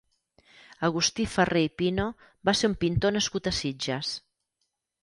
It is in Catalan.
Agustí Ferrer i Pino va ser un pintor nascut a Sitges.